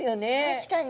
確かに。